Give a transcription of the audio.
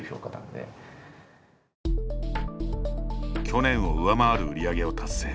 去年を上回る売り上げを達成。